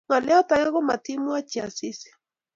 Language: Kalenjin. Ngolyot age komatimwochi Asisi